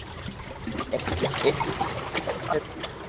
এই জীবিত হওয়ার লড়াই ছেড়ে দিবো।